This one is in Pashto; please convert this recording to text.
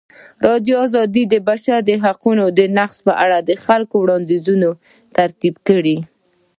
ازادي راډیو د د بشري حقونو نقض په اړه د خلکو وړاندیزونه ترتیب کړي.